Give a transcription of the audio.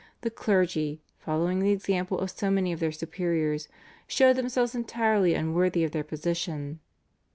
The clergy, following the example of so many of their superiors, showed themselves entirely unworthy of their position.